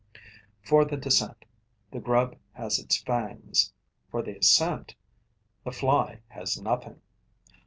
For the descent, the grub has its fangs; for the assent, the fly has nothing.